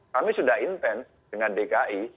kami sudah intens dengan dki